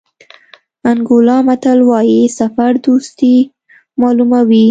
انګولا متل وایي سفر دوستي معلوموي.